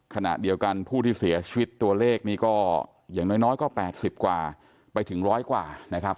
ขณะเดียวกันผู้ที่เสียชีวิตตัวเลขนี้ก็อย่างน้อยก็๘๐กว่าไปถึง๑๐๐กว่านะครับ